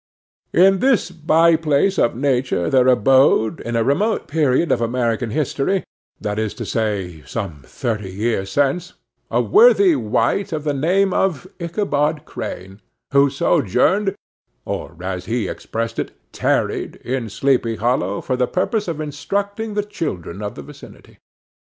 In this by place of nature there abode, in a remote period of American history, that is to say, some thirty years since, a worthy wight of the name of Ichabod Crane, who sojourned, or, as he expressed it, "tarried," in Sleepy Hollow, for the purpose of instructing the children of the vicinity.